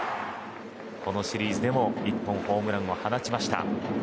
このシリーズでも１本ホームランを放ちました。